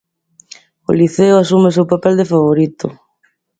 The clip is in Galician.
O Liceo asume o seu papel de favorito.